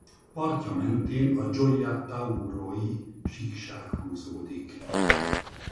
Partja mentén a Gioia Tauro-i síkság húzódik.